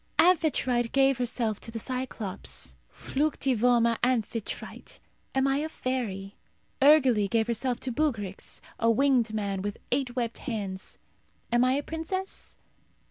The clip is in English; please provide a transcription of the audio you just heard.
Amphitrite gave herself to the Cyclops. Fluctivoma Amphitrite. Am I a fairy? Urgele gave herself to Bugryx, a winged man, with eight webbed hands. Am I a princess?